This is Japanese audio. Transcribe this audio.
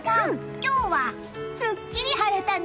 今日はすっきり晴れたね。